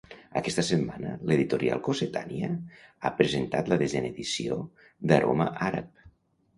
Aquesta setmana, l'editorial Cossetània ha presentat la desena edició d'Aroma àrab.